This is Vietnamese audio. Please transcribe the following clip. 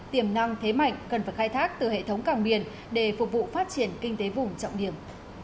tiềm năng thế mạnh cần phải khai thác từ hệ thống cảng biển để phục vụ phát triển kinh tế vùng trọng điểm